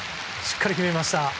しっかり決めました。